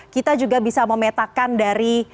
kita juga bisa memetakan dari